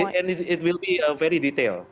dan ini akan sangat detail